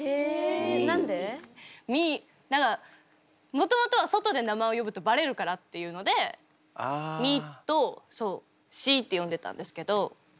もともとは外で名前を呼ぶとバレるからっていうので「み」と「し」って呼んでたんですけど。